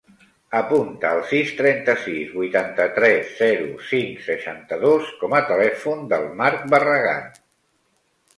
Apunta el sis, trenta-sis, vuitanta-tres, zero, cinc, seixanta-dos com a telèfon del Marc Barragan.